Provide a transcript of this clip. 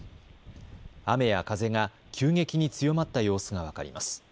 雨や風が急激に強まった様子が分かります。